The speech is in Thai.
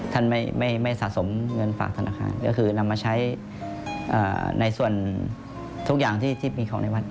ท่านไม่สะสมเงินฝากธนาคารก็คือนำมาใช้ในส่วนทุกอย่างที่มีของในวัด